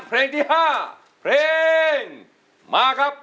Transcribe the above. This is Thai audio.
เพลงที่๕เพลงมาครับ